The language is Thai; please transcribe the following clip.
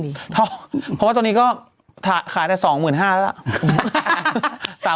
เพราะว่าตอนนี้ก็ขายแต่สองหมื่นห้าแล้ว